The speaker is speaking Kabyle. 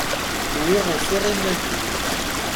Nwiɣ ufiɣ iman-iw!